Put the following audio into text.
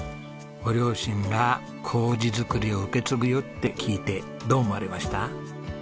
ご両親が糀作りを受け継ぐよって聞いてどう思われました？